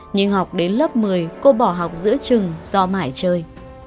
nhưng học đến lớp một mươi cô bỏ học giữa trường do mãi chơi